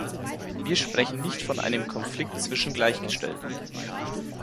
Wir sprechen nicht von einem Konflikt zwischen Gleichgestellten.